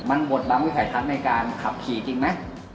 มันมดบรรวมวิถัยทัศน์ในการขับขี่จริงมั้ย